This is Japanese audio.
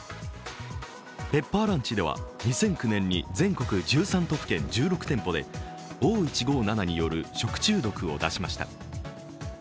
ペッパーランチでは、２００９年に全国１３都府県１６店舗でＯ１５７による食中毒を出しました。